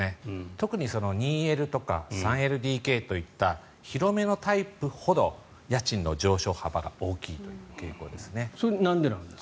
特に２Ｌとか３ＬＤＫといった広めのタイプほど家賃の上昇幅が大きいという傾向です。